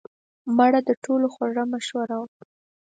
مړه د ټولو خوږه مشوره وه